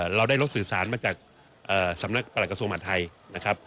เราได้รถสื่อสารมาจากสำนักประหลักกระทรวงมหาดไทยนะครับ